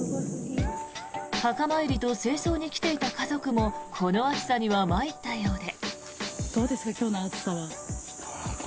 墓参りと清掃に来ていた家族もこの暑さには参ったようで。